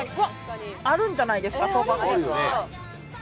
あるんじゃないですかそば粉。